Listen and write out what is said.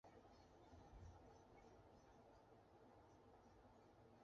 该战斗发生地点则是在中国赣南一带。